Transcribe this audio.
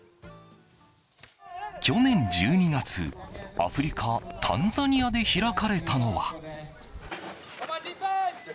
去年１２月アフリカ・タンザニアで開かれたのは。